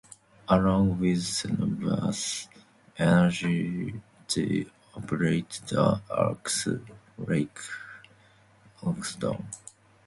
Along with Cenovus Energy they operate the Axe Lake Aerodrome.